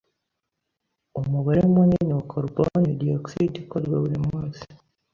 Umubare munini wa karuboni ya dioxyde ikorwa buri munsi.